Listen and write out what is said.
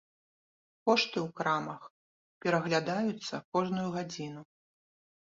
Кошты ў крамах пераглядаюцца кожную гадзіну.